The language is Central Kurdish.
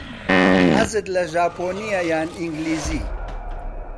حەزت لە ژاپۆنییە یان ئینگلیزی؟